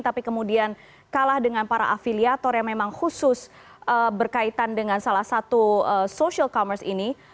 tapi kemudian kalah dengan para afiliator yang memang khusus berkaitan dengan salah satu social commerce ini